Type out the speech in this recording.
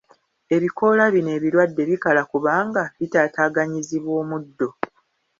Ebikoola bino ebirwadde bikala kubanga bitataaganyizibwa omuddo.